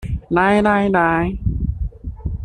來來來